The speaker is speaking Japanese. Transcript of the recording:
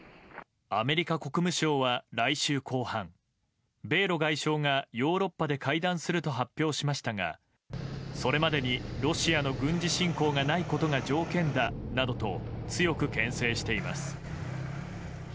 アメリカ国務省は来週後半米露外相がヨーロッパで会談すると発表しましたがそれまでにロシアの軍事侵攻がないことが条件だなどと強く牽制しています。